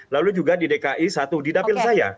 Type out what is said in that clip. lalu juga di dki satu di dapil saya